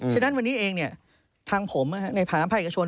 ฉะนั้นวันนี้เองเนี่ยทางผมในผ่านรัฐภัยกระชวน